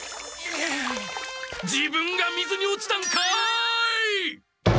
自分が水に落ちたんかい！